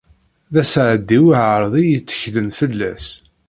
D aseɛdi uɛerḍi i yetteklen fell-as.